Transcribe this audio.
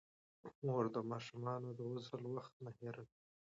مور د ماشومانو د غسل وخت نه هېروي.